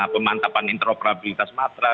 pemantapan interoperabilitas matra